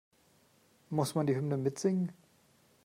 Muss man die Hymne mitsingen?